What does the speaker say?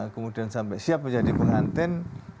kemudian sampai siap menjadi pengantin